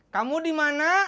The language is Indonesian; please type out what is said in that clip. kamu di mana